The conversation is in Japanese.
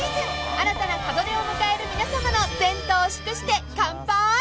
［新たな門出を迎える皆さまの前途を祝して乾杯！］